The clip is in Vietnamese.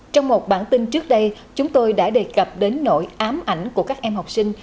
trong một bản tin trước đây chúng tôi đã đề cập đến nỗi ám ảnh của các em học sinh